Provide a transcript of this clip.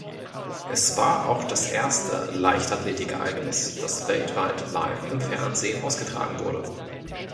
Es war auch das erste Leichtathletik-Ereignis, das weltweit live im Fernsehen ausgetragen wurde.